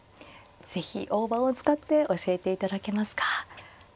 是非大盤を使って教えていただけますか。